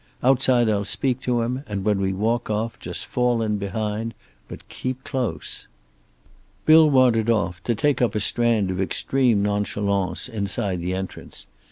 Outside I'll speak to him, and when we walk off, just fall in behind. But keep close." Bill wandered off, to take up a stand of extreme nonchalance inside the entrance.